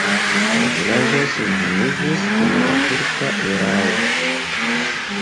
La vilaĝo senhomiĝis dum la turka erao.